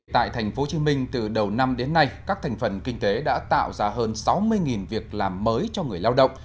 tại tp hcm từ đầu năm đến nay các thành phần kinh tế đã tạo ra hơn sáu mươi việc làm mới cho người lao động